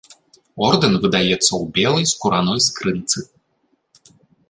Ордэн выдаецца ў белай скураной скрынцы.